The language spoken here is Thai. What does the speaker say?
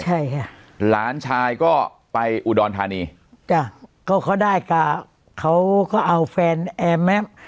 ใช่ค่ะหลานชายก็ไปอุดรธานีจ้ะก็เขาได้กาเขาก็เอาแฟนแอร์แม่